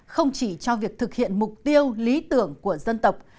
không chỉ cho việc thực hiện mục tiêu lý tưởng của dân tộc